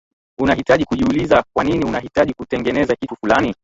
unahitaji kujiuliza kwanini unahitaji kutengeneza kitu fulani